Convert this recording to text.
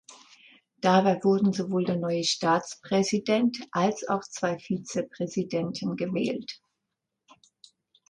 Dabei wurden sowohl der neue Staatspräsident als auch zwei Vizepräsidenten gewählt.